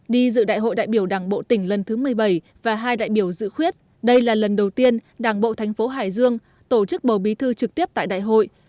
bộ đại biểu đảng bộ tỉnh lần thứ một mươi bảy và hai đại biểu dự khuyết đây là lần đầu tiên đảng bộ tp hải dương tổ chức bầu bí thư trực tiếp tại đại hội